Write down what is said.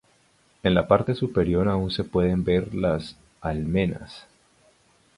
En la parte superior aún se pueden ver las almenas.